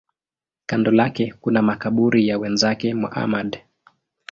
Kando lake kuna makaburi ya wenzake Muhammad.